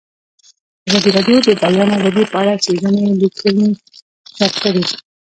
ازادي راډیو د د بیان آزادي په اړه څېړنیزې لیکنې چاپ کړي.